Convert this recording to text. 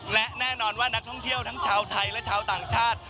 และแน่นอนว่านักท่องเที่ยวทั้งชาวไทยและชาวต่างชาติ